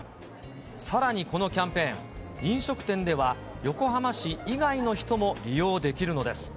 さらにこのキャンペーン、飲食店では横浜市以外の人も利用できるんです。